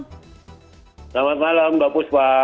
selamat malam mbak puspa